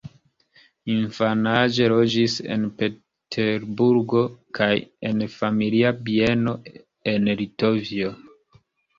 Infanaĝe loĝis en Peterburgo kaj en familia bieno en Litovio.